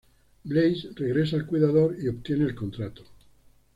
Blaze regresa al Cuidador y obtiene el contrato.